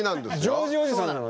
ジョージおじさんなの。